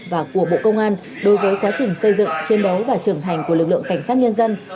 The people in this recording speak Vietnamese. và của bộ công an đối với quá trình xây dựng chiến đấu và trưởng thành của lực lượng cảnh sát nhân dân